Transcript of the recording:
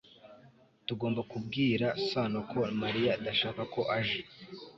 tugomba kubwira sano ko mariya adashaka ko aje